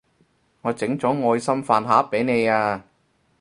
我整咗愛心飯盒畀你啊